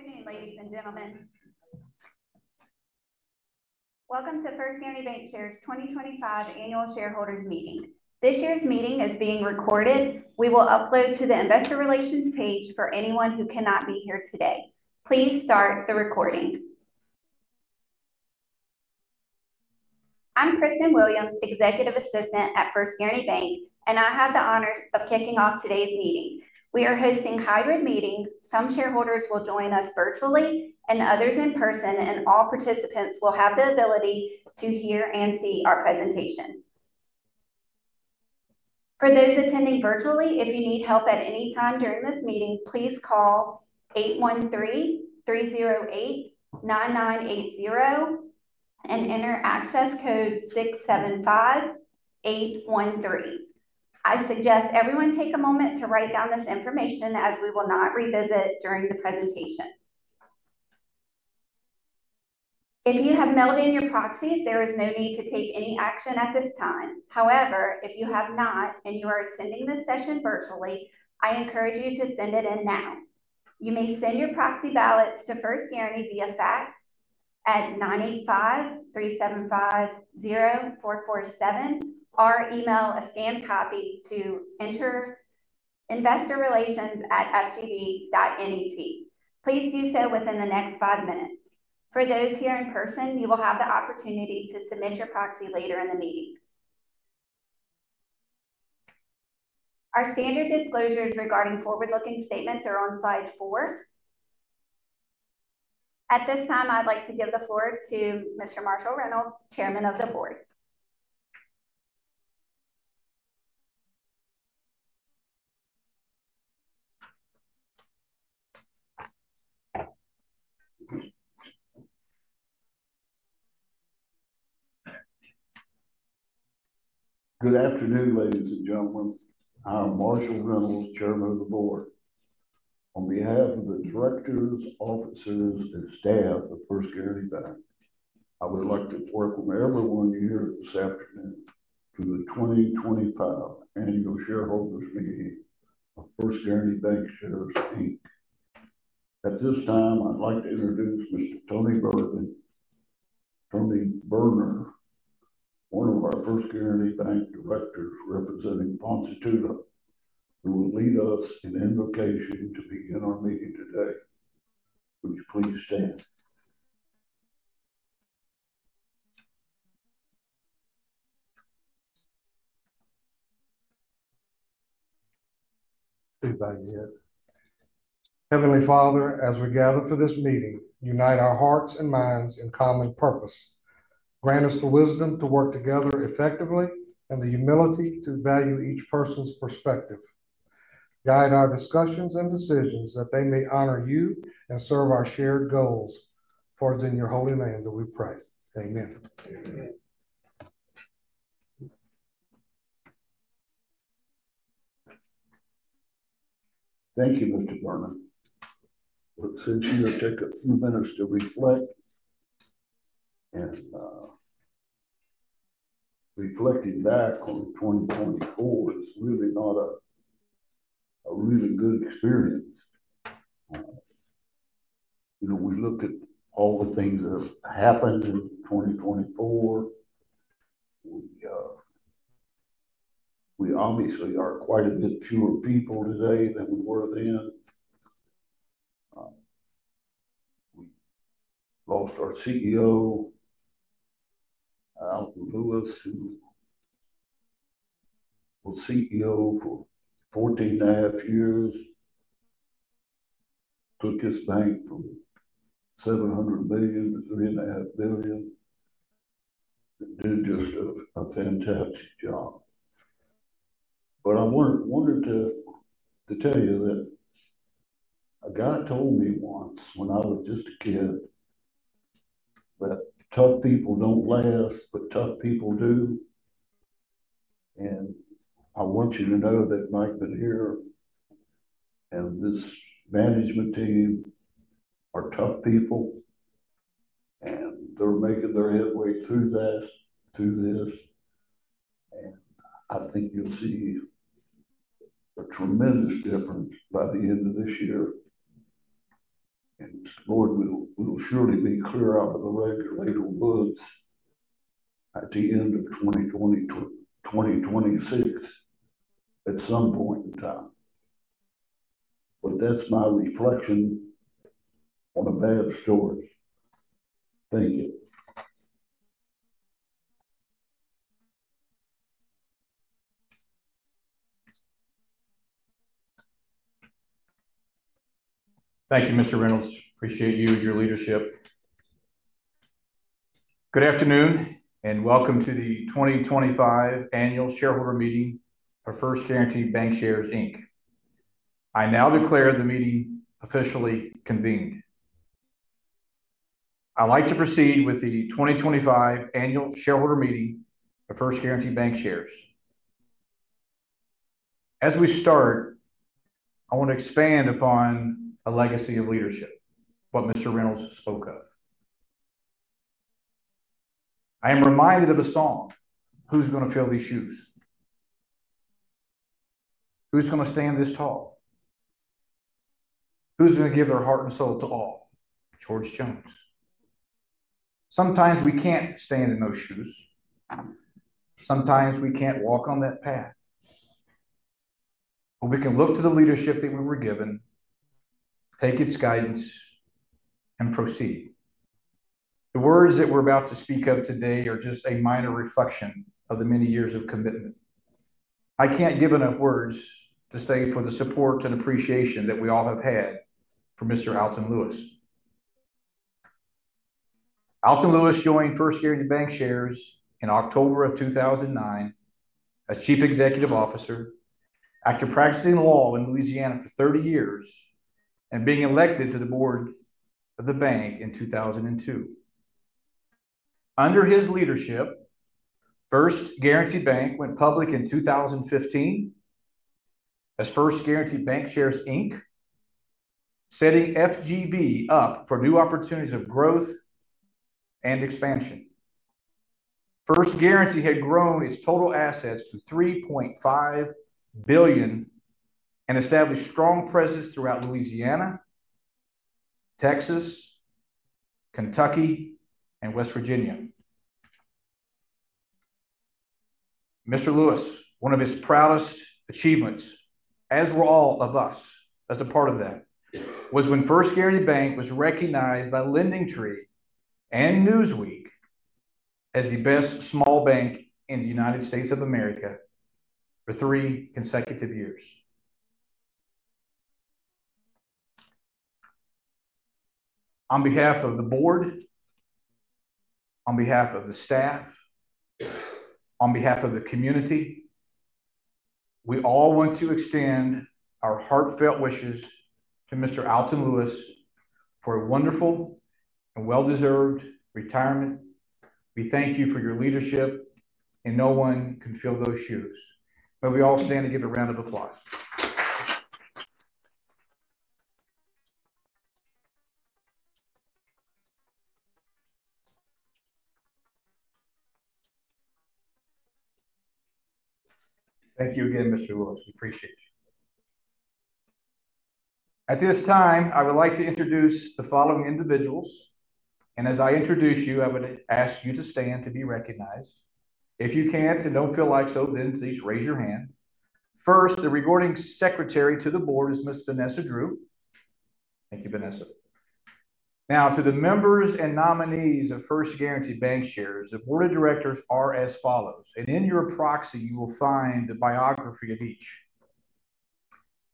Good afternoon, ladies and gentlemen. Welcome to First Guaranty Bancshares' 2025 Annual Shareholders Meeting. This year's meeting is being recorded. We will upload to the Investor Relations page for anyone who cannot be here today. Please start the recording. I'm Kristen Williams, Executive Assistant at First Guaranty Bank, and I have the honor of kicking off today's meeting. We are hosting a hybrid meeting. Some shareholders will join us virtually and others in person, and all participants will have the ability to hear and see our presentation. For those attending virtually, if you need help at any time during this meeting, please call 813-308-9980 and enter access code 675813. I suggest everyone take a moment to write down this information as we will not revisit it during the presentation. If you have mailed in your proxies, there is no need to take any action at this time. However, if you have not and you are attending this session virtually, I encourage you to send it in now. You may send your proxy ballots to First Guaranty via fax at 985-375-0447 or email a scanned copy to investorrelations@fgb.net. Please do so within the next five minutes. For those here in person, you will have the opportunity to submit your proxy later in the meeting. Our standard disclosures regarding forward-looking statements are on slide four. At this time, I'd like to give the floor to Mr. Marshall Reynolds, Chairman of the Board. Good afternoon, ladies and gentlemen. I'm Marshall Reynolds, Chairman of the Board. On behalf of the directors, officers, and staff of First Guaranty Bank, I would like to welcome everyone here this afternoon to the 2025 Annual Shareholders Meeting of First Guaranty Bancshares, Inc. At this time, I'd like to introduce Mr. Tony Berner, one of our First Guaranty Bank directors representing Ponce Touto, who will lead us in invocation to begin our meeting today. Would you please stand? Everybody is? Heavenly Father, as we gather for this meeting, unite our hearts and minds in common purpose. Grant us the wisdom to work together effectively and the humility to value each person's perspective. Guide our discussions and decisions that they may honor You and serve our shared goals. For it is in Your holy name that we pray. Amen. Amen. Thank you, Mr. Berner. We'll send you a ticket for a minute to reflect. And reflecting back on 2024 is really not a really good experience. You know, we look at all the things that have happened in 2024. We obviously are quite a bit fewer people today than we were then. We lost our CEO, Alton Lewis, who was CEO for 14 and a half years, took his bank from $700 million–$3.5 billion, and did just a fantastic job. But I wanted to tell you that a guy told me once when I was just a kid that tough people do not last, but tough people do. And I want you to know that Mike Menier and this management team are tough people, and they're making their headway through this. And I think you'll see a tremendous difference by the end of this year. Lord, we'll surely be clear out of the regulatory books at the end of 2026 at some point in time. But that's my reflection on a bad story. Thank you. Thank you, Mr. Reynolds. Appreciate you and your leadership. Good afternoon and welcome to the 2025 Annual Shareholder Meeting of First Guaranty Bancshares. I now declare the meeting officially convened. I'd like to proceed with the 2025 Annual Shareholder Meeting of First Guaranty Bancshares. As we start, I want to expand upon a legacy of leadership, what Mr. Reynolds spoke of. I am reminded of a song. Who's going to fill these shoes? Who's going to stand this tall? Who's going to give their heart and soul to all? George Jones. Sometimes we can't stand in those shoes. Sometimes we can't walk on that path. We can look to the leadership that we were given, take its guidance, and proceed. The words that we're about to speak of today are just a minor reflection of the many years of commitment. I can't give enough words to say for the support and appreciation that we all have had for Mr. Alton Lewis. Alton Lewis joined First Guaranty Bancshares in October of 2009 as Chief Executive Officer after practicing law in Louisiana for 30 years and being elected to the board of the bank in 2002. Under his leadership, First Guaranty Bank went public in 2015 as First Guaranty Bancshares, setting FGB up for new opportunities of growth and expansion. First Guaranty had grown its total assets to $3.5 billion and established a strong presence throughout Louisiana, Texas, Kentucky, and West Virginia. Mr. Lewis, one of his proudest achievements, as were all of us as a part of that, was when First Guaranty Bank was recognized by LendingTree and Newsweek as the best small bank in the United States of America for three consecutive years. On behalf of the board, on behalf of the staff, on behalf of the community, we all want to extend our heartfelt wishes to Mr. Alton Lewis for a wonderful and well-deserved retirement. We thank you for your leadership, and no one can fill those shoes. May we all stand and give a round of applause. Thank you again, Mr. Lewis. We appreciate you. At this time, I would like to introduce the following individuals. As I introduce you, I would ask you to stand to be recognized. If you cannot and do not feel like so, then please raise your hand. First, the Secretary to the Board is Ms. Vanessa R. Drew. Thank you, Vanessa. Now, to the members and nominees of First Guaranty Bancshares, the Board of Directors are as follows. In your proxy, you will find the biography of each.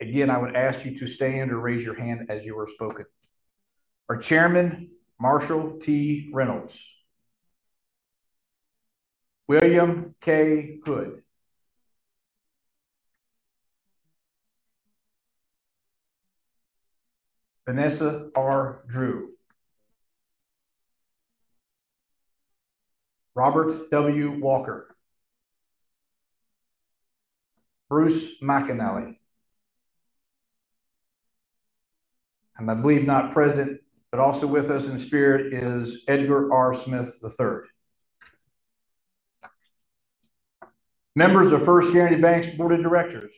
Again, I would ask you to stand or raise your hand as you were spoken. Our Chairman, Marshall T. Reynolds. William K. Hood. Vanessa R. Drew. Robert W. Walker. Bruce McAnally. I believe not present, but also with us in spirit is Edgar R. Smith III. Members of First Guaranty Bank's Board of Directors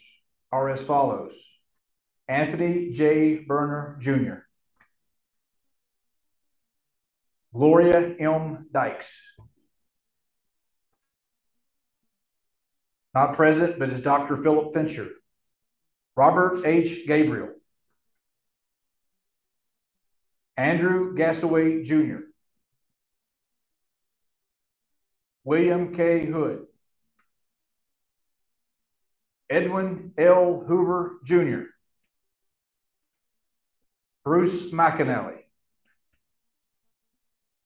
are as follows: Anthony J. Berner, Jr. Gloria M. Dykes. Not present, but is Dr. Philip Fincher. Robert H. Gabriel. Andrew Gasaway, Jr. William K. Hood. Edwin L. Hoover, Jr. Bruce McAnally.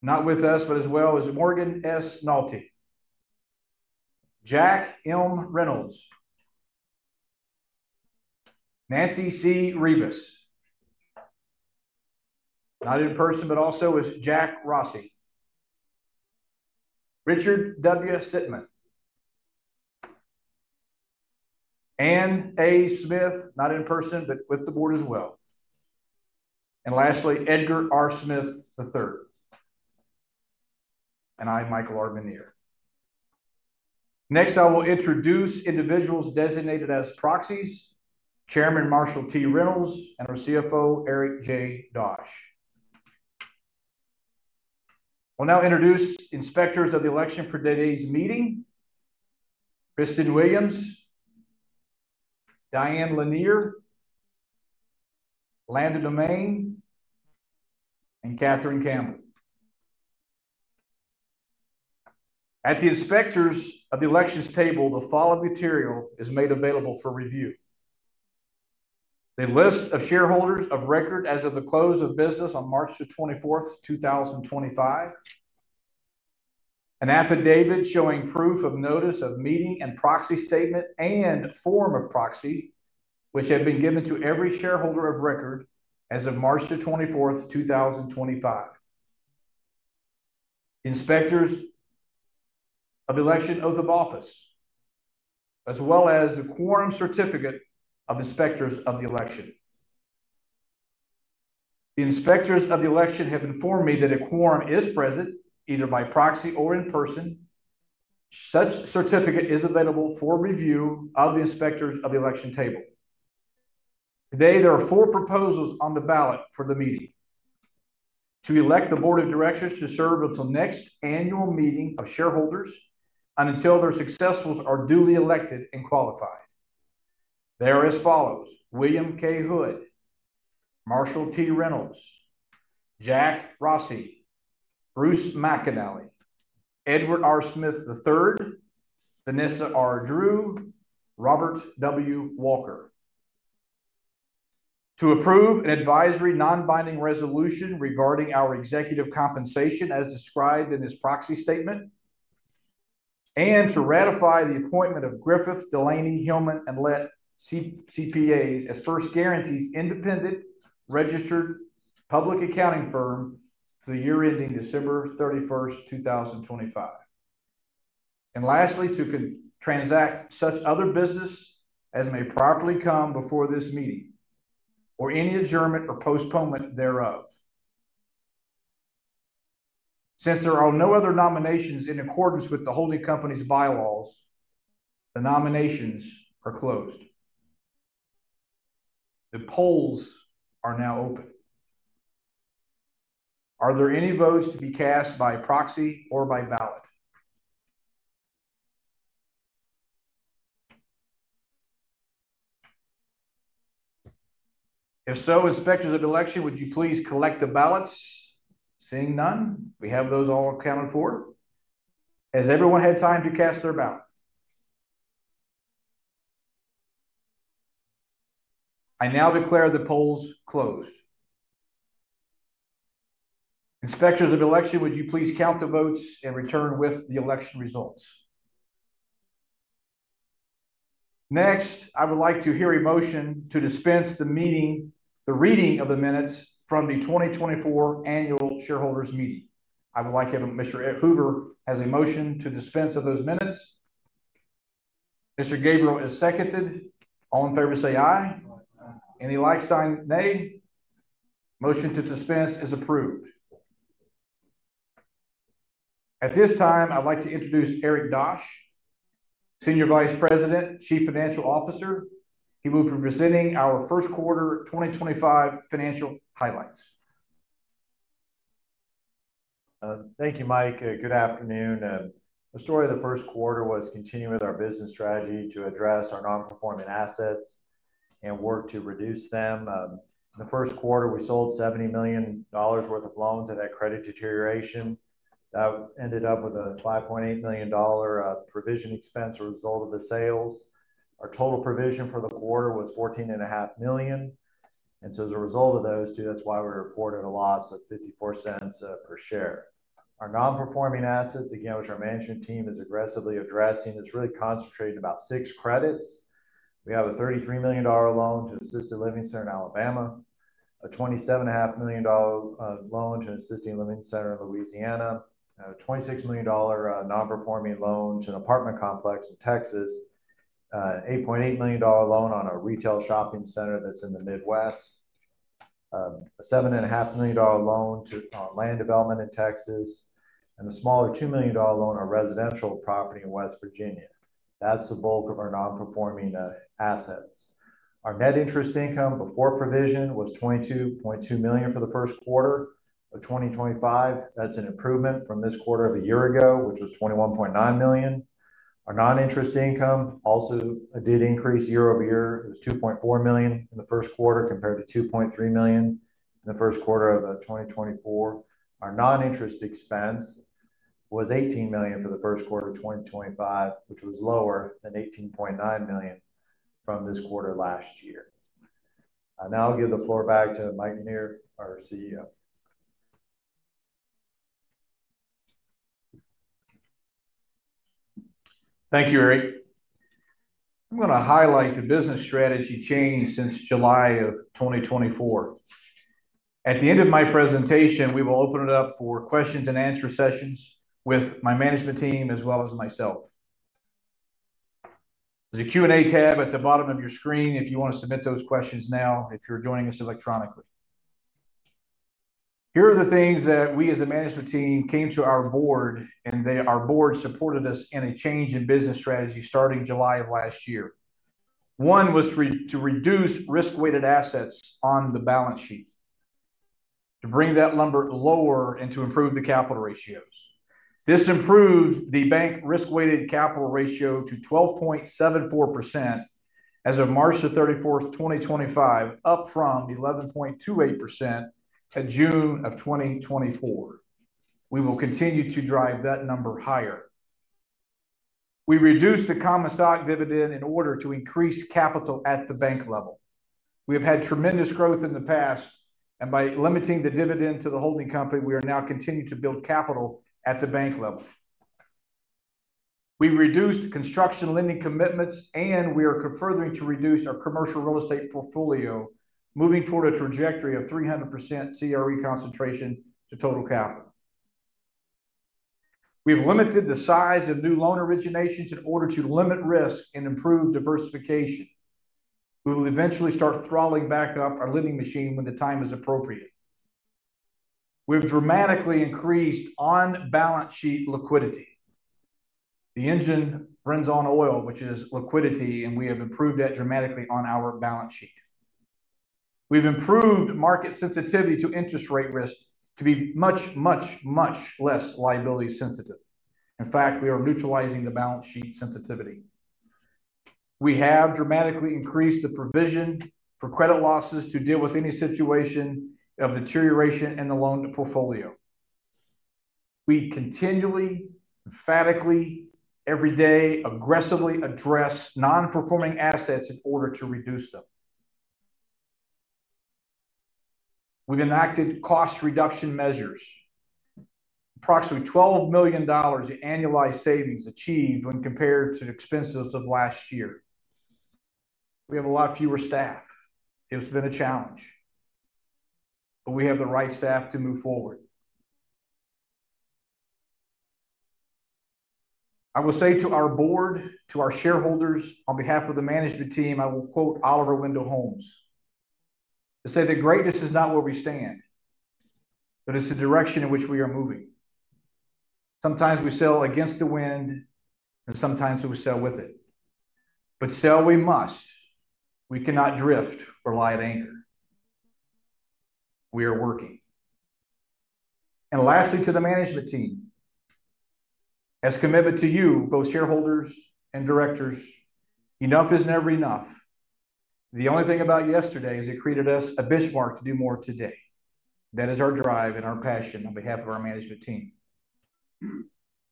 Not with us, but as well as Morgan S. Naughty. Jack M. Reynolds. Nancy C. Rebus. Not in person, but also is Jack Rossi. Richard W. Sittman. Ann A. Smith, not in person, but with the board as well. Lastly, Edgar R. Smith III. I, Michael R. Menier. Next, I will introduce individuals designated as proxies: Chairman Marshall T. Reynolds and our CFO, Eric J. Dosch. We'll now introduce inspectors of the election for today's meeting: Kristen Williams, Diane Lanier, Landa Domain, and Catherine Campbell. At the inspectors of the election table, the following material is made available for review. The list of shareholders of record as of the close of business on March 24, 2025. An affidavit showing proof of notice of meeting and proxy statement and form of proxy, which have been given to every shareholder of record as of March 24, 2025. Inspectors of election oath of office, as well as the quorum certificate of inspectors of the election. The inspectors of the election have informed me that a quorum is present either by proxy or in person. Such certificate is available for review at the inspectors of the election table. Today, there are four proposals on the ballot for the meeting to elect the Board of Directors to serve until next annual meeting of shareholders until their successors are duly elected and qualified. They are as follows: William K. Hood, Marshall T. Reynolds, Jack Rossi, Bruce McAnally, Edgar R. Smith III, Vanessa R. Drew, Robert W. Walker. To approve an advisory non-binding resolution regarding our executive compensation as described in this proxy statement. To ratify the appointment of Griffith, Delaney, Hillman, and Lett CPAs as First Guaranty’s independent registered public accounting firm for the year ending December 31, 2025. Lastly, to transact such other business as may properly come before this meeting or any adjournment or postponement thereof. Since there are no other nominations in accordance with the holding company’s bylaws, the nominations are closed. The polls are now open. Are there any votes to be cast by proxy or by ballot? If so, inspectors of the election, would you please collect the ballots? Seeing none, we have those all accounted for. Has everyone had time to cast their ballot? I now declare the polls closed. Inspectors of the election, would you please count the votes and return with the election results? Next, I would like to hear a motion to dispense the meeting, the reading of the minutes from the 2024 Annual Shareholders Meeting. I would like to have Mr. Hoover as a motion to dispense of those minutes. Mr. Gabriel has seconded. All in favor say aye. Any like signed nay. Motion to dispense is approved. At this time, I'd like to introduce Eric J. Dosch, Senior Vice President, Chief Financial Officer. He will be presenting our first quarter 2025 financial highlights. Thank you, Mike. Good afternoon. The story of the first quarter was continuing with our business strategy to address our non-performing assets and work to reduce them. In the first quarter, we sold $70 million worth of loans that had credit deterioration. That ended up with a $5.8 million provision expense as a result of the sales. Our total provision for the quarter was $14.5 million. As a result of those two, that's why we reported a loss of $0.54 per share. Our non-performing assets, again, which our management team is aggressively addressing, it's really concentrated in about six credits. We have a $33 million loan to Assisted Living Center in Alabama, a $27.5 million loan to an Assisted Living Center in Louisiana, a $26 million non-performing loan to an apartment complex in Texas, an $8.8 million loan on a retail shopping center that's in the Midwest, a $7.5 million loan to land development in Texas, and a smaller $2 million loan on residential property in West Virginia. That's the bulk of our non-performing assets. Our net interest income before provision was $22.2 million for the first quarter of 2025. That's an improvement from this quarter of a year ago, which was $21.9 million. Our non-interest income also did increase year over year. It was $2.4 million in the first quarter compared to $2.3 million in the first quarter of 2024. Our non-interest expense was $18 million for the first quarter of 2025, which was lower than $18.9 million from this quarter last year. Now I'll give the floor back to Mike Menier, our CEO. Thank you, Eric. I'm going to highlight the business strategy change since July of 2024. At the end of my presentation, we will open it up for questions and answer sessions with my management team as well as myself. There's a Q&A tab at the bottom of your screen if you want to submit those questions now if you're joining us electronically. Here are the things that we as a management team came to our board, and our board supported us in a change in business strategy starting July of last year. One was to reduce risk-weighted assets on the balance sheet to bring that number lower and to improve the capital ratios. This improved the bank risk-weighted capital ratio to 12.74% as of March 31, 2025, up from 11.28% in June of 2024. We will continue to drive that number higher. We reduced the common stock dividend in order to increase capital at the bank level. We have had tremendous growth in the past, and by limiting the dividend to the holding company, we are now continuing to build capital at the bank level. We reduced construction lending commitments, and we are furthering to reduce our commercial real estate portfolio, moving toward a trajectory of 300% CRE concentration to total capital. We have limited the size of new loan originations in order to limit risk and improve diversification. We will eventually start throttling back up our lending machine when the time is appropriate. We have dramatically increased on-balance sheet liquidity. The engine runs on oil, which is liquidity, and we have improved that dramatically on our balance sheet. We've improved market sensitivity to interest rate risk to be much, much, much less liability sensitive. In fact, we are neutralizing the balance sheet sensitivity. We have dramatically increased the provision for credit losses to deal with any situation of deterioration in the loan portfolio. We continually, emphatically, every day, aggressively address non-performing assets in order to reduce them. We've enacted cost reduction measures. Approximately $12 million in annualized savings achieved when compared to expenses of last year. We have a lot fewer staff. It's been a challenge, but we have the right staff to move forward. I will say to our board, to our shareholders, on behalf of the management team, I will quote Oliver Wendell Holmes: "To say the greatness is not where we stand, but it's the direction in which we are moving." Sometimes we sail against the wind, and sometimes we sail with it. But sail we must. We cannot drift or lie at anchor. We are working. Lastly, to the management team, as a commitment to you, both shareholders and directors, enough is never enough. The only thing about yesterday is it created us a benchmark to do more today. That is our drive and our passion on behalf of our management team.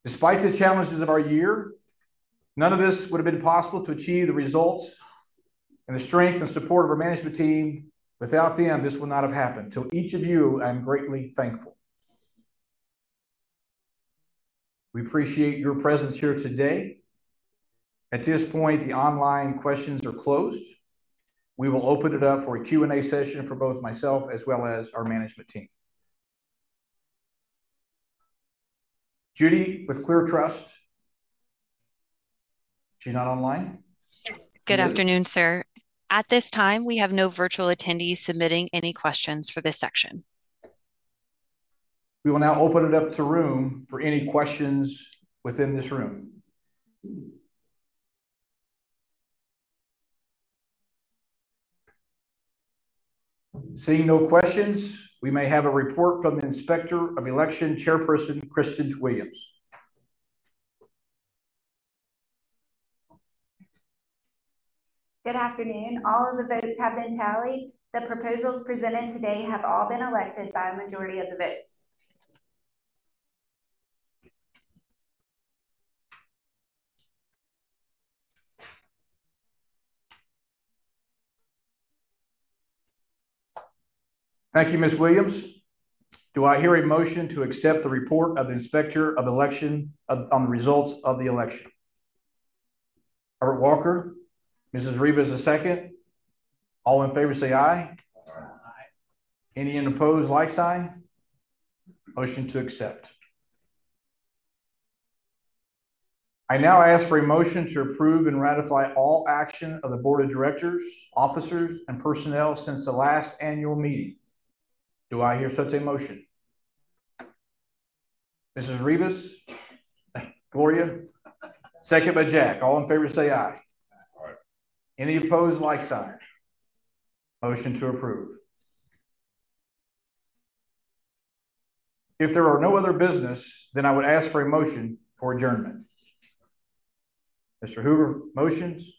Despite the challenges of our year, none of this would have been possible to achieve the results and the strength and support of our management team without them. This would not have happened. To each of you, I'm greatly thankful. We appreciate your presence here today. At this point, the online questions are closed. We will open it up for a Q&A session for both myself as well as our management team. Judy with ClearTrust. She's not online. Yes. Good afternoon, sir. At this time, we have no virtual attendees submitting any questions for this section. We will now open it up to the room for any questions within this room. Seeing no questions, we may have a report from the inspector of election chairperson, Kristen Williams. Good afternoon. All of the votes have been tallied. The proposals presented today have all been elected by a majority of the votes. Thank you, Ms. Williams. Do I hear a motion to accept the report of the inspector of election on the results of the election? Robert Walker. Ms. Rebus as a second. All in favor say aye. Aye. Any opposed like sign? Motion to accept. I now ask for a motion to approve and ratify all action of the board of directors, officers, and personnel since the last annual meeting. Do I hear such a motion? Ms. Rebus? Yes. Gloria? Yes. Second by Jack. All in favor say aye. Aye. Any opposed like sign? Motion to approve. If there are no other business, then I would ask for a motion for adjournment. Mr. Hoover, motions?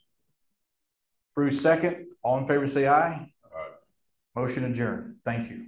Approved second. All in favor say aye. Aye. Motion adjourned. Thank you.